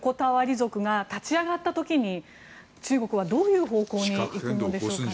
族が立ち上がった時に中国はどういう方向に行くのでしょうか。